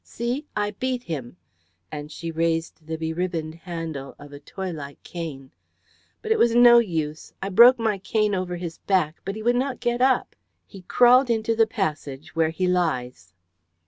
See, I beat him," and she raised the beribboned handle of a toy like cane. "But it was no use. I broke my cane over his back, but he would not get up. He crawled into the passage where he lies."